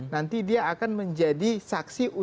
nanti dia akan menjadi saksi uang negara